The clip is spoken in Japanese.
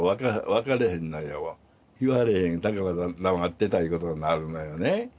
わかれへんのよ言われへんだから黙ってたいうことになるのよね